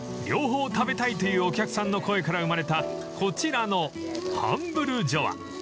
［「両方食べたい」というお客さんの声から生まれたこちらのハンブルジョア］